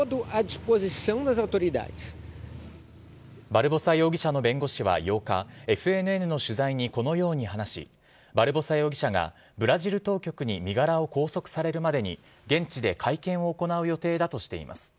バルボサ容疑者の弁護士は８日ＦＮＮの取材にこのように話しバルボサ容疑者がブラジル当局に身柄を拘束されるまでに現地で会見を行う予定だとしています。